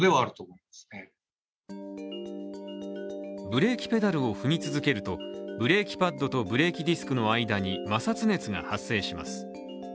ブレーキペダルを踏み続けるとブレーキパッドとブレーキディスクの間に摩擦熱が発生します。